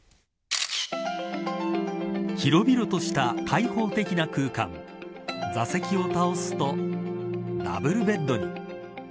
広々とした開放的な空間座席を倒すとダブルベッドに。